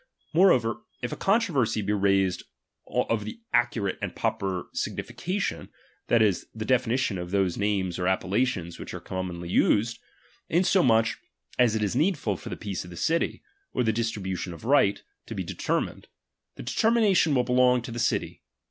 ""^^^ Moreover, if a controversy be raised of the accu ^^M rate and proper signification, that is, the definition ^^H of those names or appellations which are com ^^M monly used ; insomuch as it is needful for the ^H peace of the city, or the distribution of right, to be ^H determined ; the determination vi'ill belong to the ^H city.